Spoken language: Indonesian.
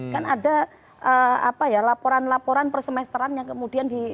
kan ada laporan laporan persemesteran yang kemudian di